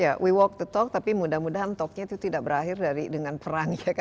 ya kita bekerja untuk berbicara tapi mudah mudahan berbicara itu tidak berakhir dengan perang